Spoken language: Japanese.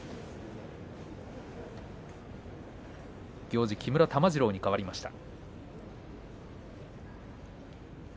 行司木村玉治郎にかわりました。